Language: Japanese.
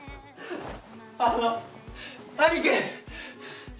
あの兄貴！